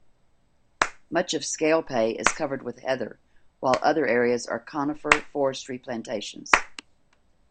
Much of Scalpay is covered with heather, while other areas are conifer forestry plantations.